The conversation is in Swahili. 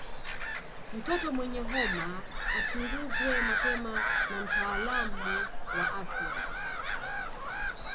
Mtoto mwenye homa achunguzwe mapema na mtaalamu wa afya